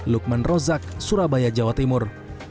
lukman rozak surabaya jawa timur